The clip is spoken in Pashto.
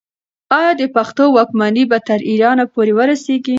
آیا د پښتنو واکمني به تر ایران پورې ورسیږي؟